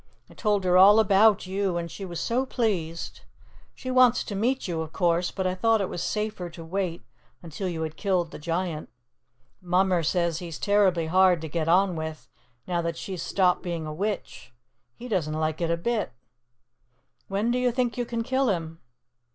I told her all about you, and she was so pleased. She wants to meet you, of course, but I thought it was safer to wait until you had killed the Giant. Mummer says he's terribly hard to get on with, now that she's stopped being a witch. He doesn't like it a bit. When do you think you can kill him?"